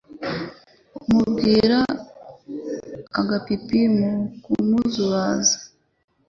umubwira agapipi mu kumuzubabaza